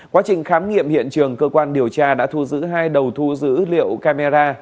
quá trình khám nghiệm hiện trường cơ quan điều tra đã thu giữ hai đầu thu dữ liệu camera